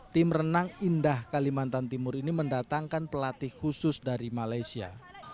tim renang indah kalimantan timur ini mendatangkan pelatih khusus dari malaysia